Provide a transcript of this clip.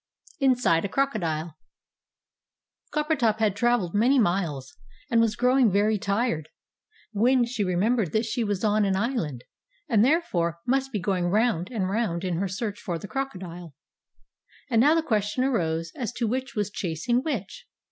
INSIDE A CROCODILE Coppertop had travelled many miles, and was growing very tired, when she remembered that she was on an island, and therefore must be going round and round in her search for the crocodile. And now the question arose as to which was chasing which.